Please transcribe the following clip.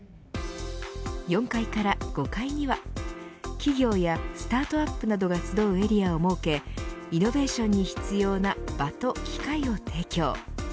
４階から５階には企業やスタートアップなどが集うエリアを設けイノベーションに必要な場と機会を提供。